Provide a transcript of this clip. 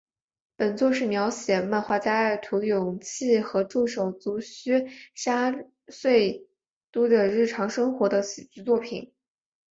本作是描写漫画家爱徒勇气和助手足须沙穗都的日常生活的喜剧作品。